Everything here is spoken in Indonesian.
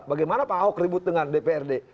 bagaimana pak ahok ribut dengan dprd